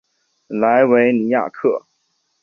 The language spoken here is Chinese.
莱维尼亚克。